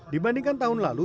dibandingkan tahun lalu